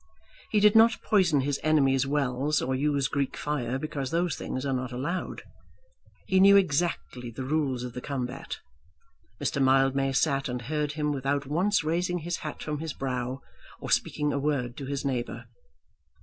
He did not poison his enemies' wells or use Greek fire, because those things are not allowed. He knew exactly the rules of the combat. Mr. Mildmay sat and heard him without once raising his hat from his brow, or speaking a word to his neighbour.